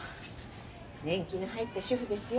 年季の入った主婦ですよ。